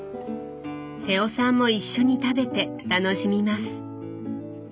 瀬尾さんも一緒に食べて楽しみます。